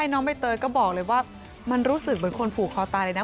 น้องใบเตยก็บอกเลยว่ามันรู้สึกเหมือนคนผูกคอตายเลยนะ